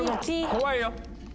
怖いよ。